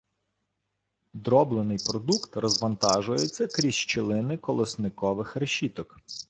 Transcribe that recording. Дроблений продукт розвантажується крізь щілини колосникових решіток.